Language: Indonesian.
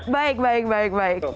baik baik baik baik